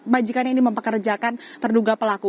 majikan ini mempekerjakan terduga pelaku